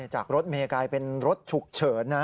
จากรถอเมริกาไปเป็นรถฉุกเฉินนะ